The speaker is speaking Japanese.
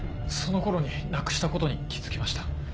その頃になくしたことに気付きました。